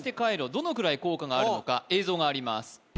どのくらい効果があるのか映像があります